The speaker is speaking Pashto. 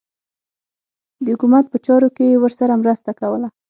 د حکومت په چارو کې یې ورسره مرسته کوله.